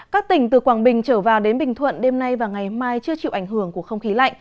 các tỉnh từ quảng bình trở vào đến bình thuận đêm nay và ngày mai chưa chịu ảnh hưởng của không khí lạnh